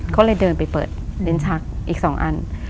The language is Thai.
ก็เลยเดินไปเปิดลิ้นชักอีก๒อัน